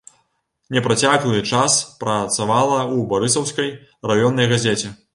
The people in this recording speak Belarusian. Непрацяглы час працавала ў барысаўскай раённай газеце.